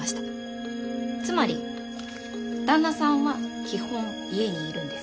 つまり旦那さんは基本家にいるんです。